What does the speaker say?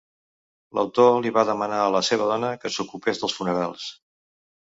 L'autor li va demanar a la seva dona que s'ocupés dels funerals.